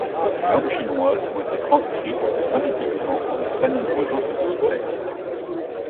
Les langues chinoises ont été transcrites phonétiquement en de très nombreux autres systèmes.